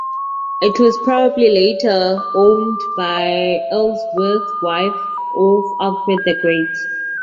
It was probably later owned by Ealhswith, wife of Alfred the Great.